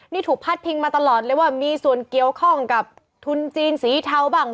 นี่ถูกพัดพิงมาตลอดเลยว่ามีส่วนเกี่ยวข้องกับทุนจีนสีเทาบ้าง